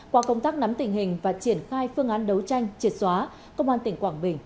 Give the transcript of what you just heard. qua công tác nắm tình hình và triển khai phương án đấu tranh triệt xóa công an tỉnh quảng bình